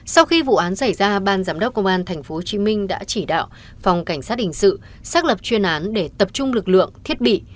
sau khi vụ án xảy ra ban giám đốc công an tp hcm đã chỉ đạo phòng cảnh sát hình sự xác lập chuyên án để tập trung lực lượng thiết bị